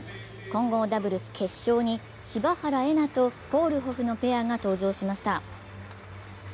混合ダブルス決勝に柴原瑛菜とコールホフのペアが登場しました。